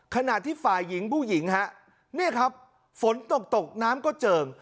ขณะที่ฝ่ายหญิงผู้หญิงฮะเนี่ยครับฝนตกตกน้ำก็เจิง